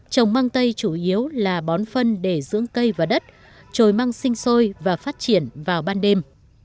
trồng măng tây chủ yếu là bón phân để dưỡng cây và đất trồi mang sinh sôi và phát triển vào ban đêm